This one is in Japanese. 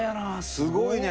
すごいね。